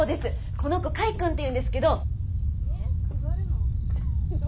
この子櫂くんっていうんですけど。